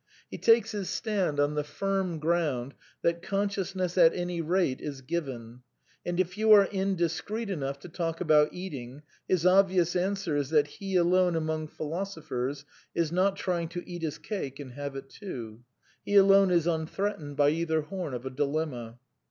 He takes his stand on the firm ground that con sciousness at any rate is " given "; and if you are indis creet enough to talk about eating, his obvious answer is that he alone among philosophers is not trying to eat his cake and have it too. He alone is unthreatened by either horn of a dilemma.